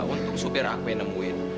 untung supir aku yang nemuin